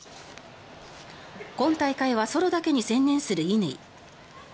今大会はソロだけに専念する乾。